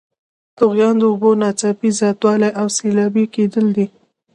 طغیان د اوبو ناڅاپي زیاتوالی او سیلابي کیدل دي.